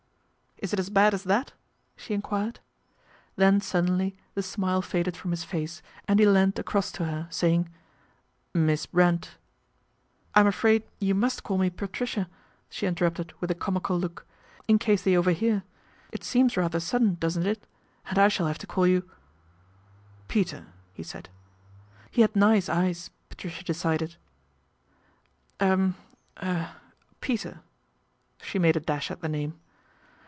" Is it as bad as that," she enquired. Then suddenly the smile faded from his face and he leaned across to her, saying :" Miss Brent "" I'm afraid you must call me Patricia," she interrupted with a comical look, " in case they overhear. It seems rather sudden, doesn't it, and I shall have to call you " 11 Peter," he said. He had nice eyes Patricia decided. " Er er Peter," she made a dash at the name.